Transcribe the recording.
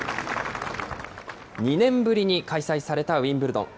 ２年ぶりに開催されたウィンブルドン。